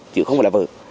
chứ không phải là vợ